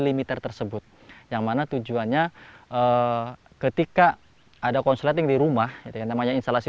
limiter tersebut yang mana tujuannya ketika ada konsulting di rumah dengan namanya instalasi